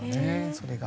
それが。